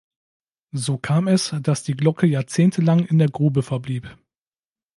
So kam es, dass die Glocke jahrzehntelang in der Grube verblieb.